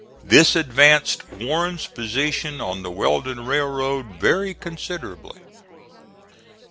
This advanced Warren's position on the Weldon Railroad very considerably.